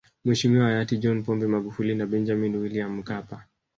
Mheshimiwa hayati John Pombe Magufuli na Benjamin William Mkapa